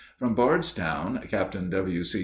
From Bardstown, Captain W.C.